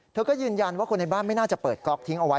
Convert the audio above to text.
เธอก็ยืนยันว่าคนในบ้านไม่น่าจะเปิดก๊อกทิ้งเอาไว้